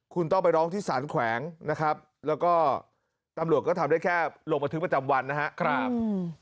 คุณต้องไปร้องที่สารแขวงนะครับแล้วก็ตำรวจก็ทำได้แค่ลงบันทึกประจำวันนะครับ